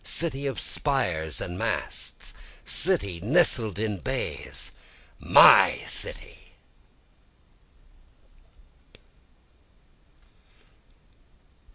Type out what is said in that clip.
city of spires and masts! City nested in bays! my city!